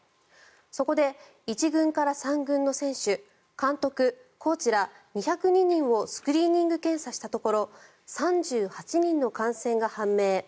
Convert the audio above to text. そこで１軍から３軍の選手監督、コーチら２０２人をスクリーニング検査したところ３８人の感染が判明。